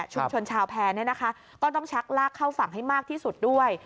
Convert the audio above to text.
ชุดชนชาวแพรเนี่ยนะคะก็ต้องชักรากเข้าฝั่งให้มากที่สุดด้วย